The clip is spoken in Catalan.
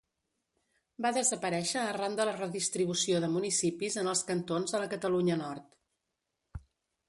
Va desaparèixer arran de la redistribució de municipis en els cantons a la Catalunya Nord.